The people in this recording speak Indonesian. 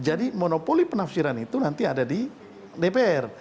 jadi monopoli penafsiran itu nanti ada di dpr